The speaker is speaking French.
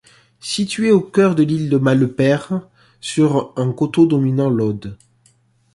Situé au cœur de la Malepère, sur un coteau dominant l'Aude.